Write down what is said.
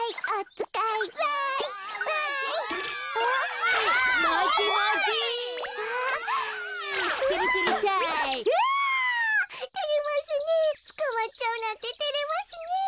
つかまっちゃうなんててれますねえ。